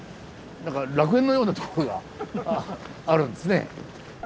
何か楽園のような所があるんですね。